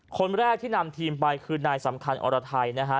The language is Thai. คนแรกที่นำทีมไปคือนายสำคัญอรไทยนะฮะ